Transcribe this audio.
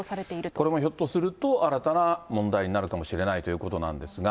これもひょっとすると、新たな問題になるかもしれないということなんですが。